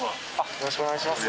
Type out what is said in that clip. よろしくお願いします。